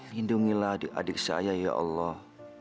lindungilah adik adik saya ya allah